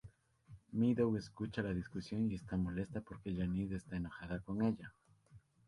Meadow escucha la discusión y está molesta porque Janice está enojada con ella.